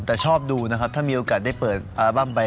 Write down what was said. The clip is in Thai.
แต่ชอบดูนะครับถ้ามีโอกาสได้เปิดอัลบั้มใบ